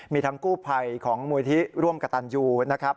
มีทั้งกู้ภัยของมูลที่ร่วมกระตันยูนะครับ